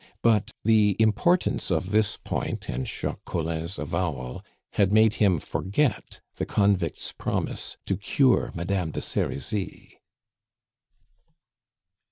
But the importance of this point, and Jacques Collin's avowal, had made him forget the convict's promise to cure Madame de Serizy.